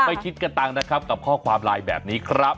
ไม่คิดกระตังค์นะครับกับข้อความไลน์แบบนี้ครับ